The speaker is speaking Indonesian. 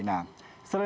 nah selain itu ternyata